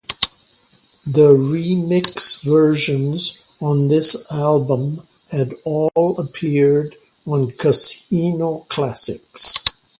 The remix versions on this album had all appeared on Casino Classics.